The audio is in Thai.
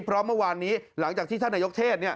เพราะเมื่อวานนี้หลังจากที่ท่านนายกเทศ